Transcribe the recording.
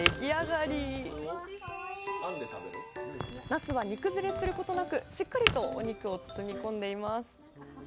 なすは煮崩れすることなくしっかりとお肉を包み込んでいます。